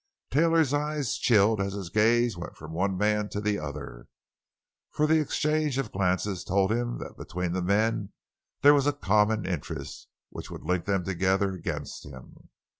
Taylor's eyes chilled as his gaze went from one man to the other, for the exchange of glances told him that between the men there was a common interest, which would link them together against him.